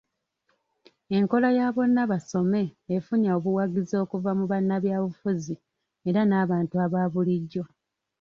Enkola ya `Bonna Basome' efunye obuwagizi okuva mu bannabyabufuzi era nabantu aba bulijjo.